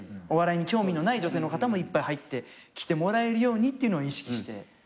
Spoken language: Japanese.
お笑いに興味のない女性の方もいっぱい入ってきてもらえるようにっていうのを意識して。